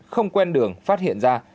không quen đường phát hiện ra